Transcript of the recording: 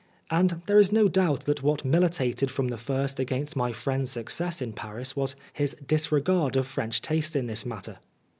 And there is no doubt that what militated from tnc first against my friend's success in Paris was 114 Oscar Wilde his disregard of French taste in this matter.